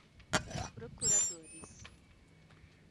procuradores